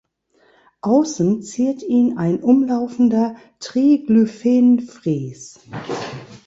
Außen ziert ihn ein umlaufender Triglyphenfries.